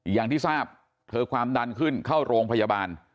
อย่างที่ทราบเธอความดันขึ้นเข้าโรงพยาบาล